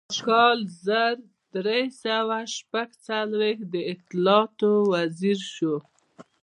په کال زر درې سوه شپږ څلویښت د اطلاعاتو وزیر شو.